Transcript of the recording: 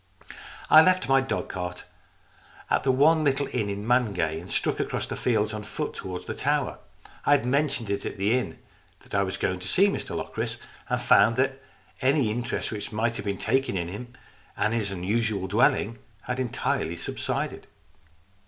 I left my dog cart at the one little inn in Mangay, and struck across the fields on foot towards the tower. I had mentioned at the inn that I was going to see Mr Locris, and found that any interest which might have been taken in him, or his unusual dwelling, had entirely subsided.